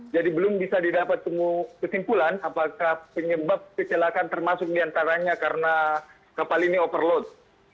jadi belum bisa didapat kesimpulan apakah penyebab kecelakaan termasuk diantaranya karena kapal ini overload